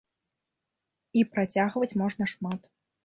І працягваць можна шмат.